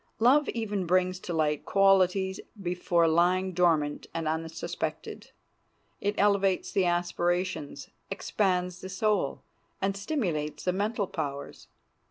Love even brings to light qualities before lying dormant and unsuspected. It elevates the aspirations, expands the soul, and stimulates the mental powers.